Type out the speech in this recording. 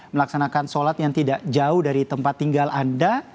melaksanakan sholat yang tidak jauh dari tempat tinggal anda